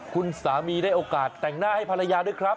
คุณสามีได้โอกาสแต่งหน้าให้ภรรยาด้วยครับ